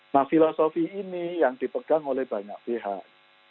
nah filosofi ini yang dipegang oleh banyak pihak